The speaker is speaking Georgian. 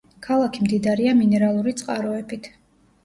ქალაქი მდიდარია მინერალური წყაროებით.